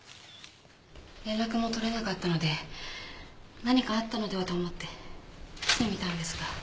連絡も取れなかったので何かあったのではと思って来てみたんですが。